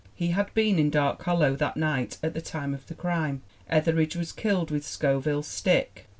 He had been in Dark Hollow that night at the time of the crime. Etheridge was killed with Scoville's stick.